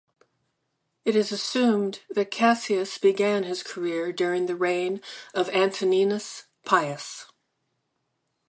It is assumed that Cassius began his career during the reign of Antoninus Pius.